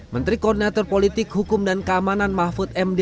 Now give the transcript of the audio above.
menteri koordinator politik hukum dan keamanan mahfud m d